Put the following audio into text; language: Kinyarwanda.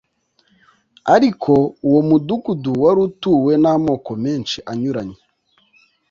Ariko uwo mudugudu wari utuwe n'amoko menshi anyuranye.